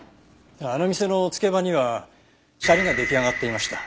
あの店のつけ場にはシャリが出来上がっていました。